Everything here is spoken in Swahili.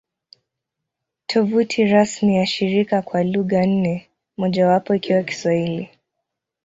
Tovuti rasmi ya shirika kwa lugha nne, mojawapo ikiwa Kiswahili